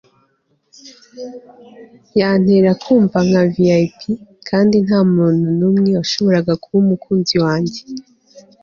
yantera kumva nka v.i.p., kandi ntamuntu numwe washoboraga kuba umukunzi wanjye